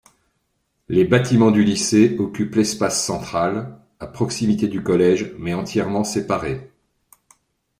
Les bâtiments du lycée occupent l'espace central, à proximité du collège mais entièrement séparés.